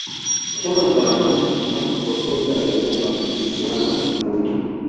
chama cha wananchi cha profesa lipumba kilikuwa na nguvu